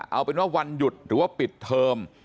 เอาเป็นว่าวันหยุดหรือว่าปิดเทอม